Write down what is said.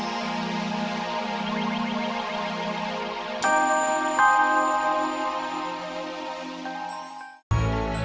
ketiga berubah gracias kepada encourageor comantus dograxico